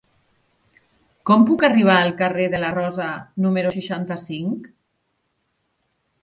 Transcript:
Com puc arribar al carrer de la Rosa número seixanta-cinc?